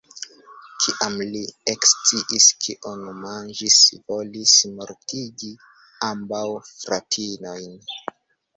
Kiam li eksciis kion manĝis, volis mortigi ambaŭ fratinojn.